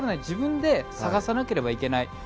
自分で探さなければいけない